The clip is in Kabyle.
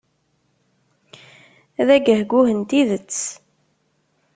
D agehguh n tidet.